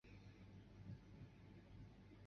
主要城镇为阿讷西。